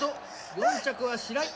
４着はしらい。